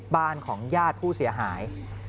บ้านของญาติผู้เสียหาย